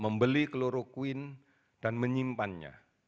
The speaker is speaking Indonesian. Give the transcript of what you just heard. membeli kloroquine dan menyimpannya